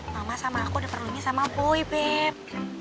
mama sama aku udah perlunya sama pui beb